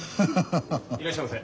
いらっしゃいませ。